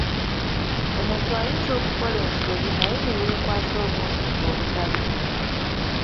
Omuntu ayinza okukola ensobi naye neyeekwasa obuntuntu obutaliimu.